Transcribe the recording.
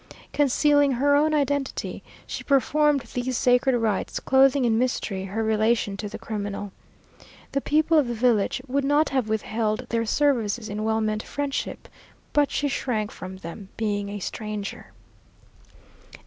Concealing her own identity, she performed these sacred rites, clothing in mystery her relation to the criminal. The people of the village would not have withheld their services in well meant friendship, but she shrank from them, being a stranger.